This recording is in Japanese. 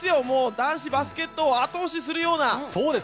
男子バスケットを後押しするような。